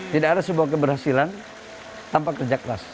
tidak ada sebuah keberhasilan tanpa kerja keras